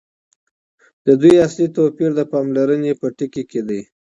د دوی اصلي توپیر د پاملرني په ټکي کي دی.